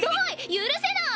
許せない。